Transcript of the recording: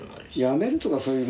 辞めるとかそういう。